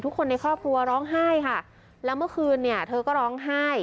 คนในครอบครัวร้องไห้ค่ะแล้วเมื่อคืนเนี่ยเธอก็ร้องไห้